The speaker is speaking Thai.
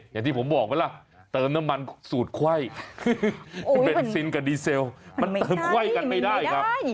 อย่างที่ผมบอกไหมล่ะเติมน้ำมันสูตรไขว้เบนซินกับดีเซลมันเติมไขว้กันไม่ได้ครับ